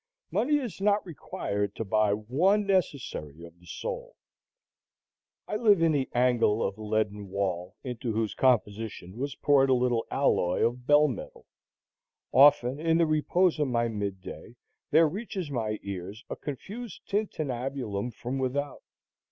Money is not required to buy one necessary of the soul. I live in the angle of a leaden wall, into whose composition was poured a little alloy of bell metal. Often, in the repose of my mid day, there reaches my ears a confused tintinnabulum from without.